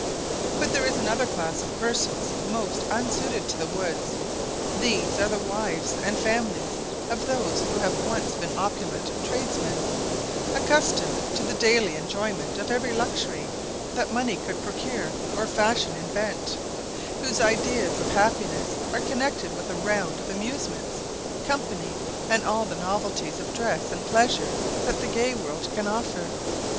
But there is another class of persons most unsuited to the woods: these are the wives and families of those who have once been opulent tradesmen, accustomed to the daily enjoyment of every luxury that money could procure or fashion invent; whose ideas of happiness are connected with a round of amusements, company, and all the novelties of dress and pleasure that the gay world can offer.